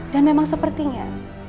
dan memang sepertinya